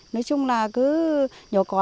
nói chung là cứ nhổ cỏ